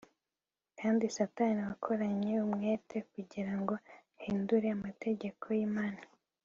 Kandi Satani wakoranye umwete kugira ngo ahindure amategeko yImana